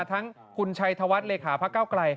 ทั้งคุณชัยธวัฒน์เลขาพระเก้าไกล